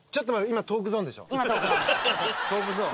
今トークゾーン。